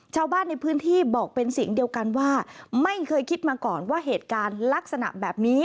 ชาวบ้านในพื้นที่บอกเป็นเสียงเดียวกันว่าไม่เคยคิดมาก่อนว่าเหตุการณ์ลักษณะแบบนี้